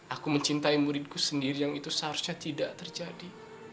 aku mencintai muridku sendiri yang itu seharusnya tidak terjadi